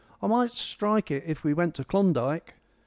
I might strike it if we went to Klondike."